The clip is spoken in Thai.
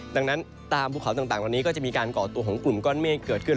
ดังนั้นตามภูเขาต่างเหล่านี้ก็จะมีการก่อตัวของกลุ่มก้อนเมฆเกิดขึ้น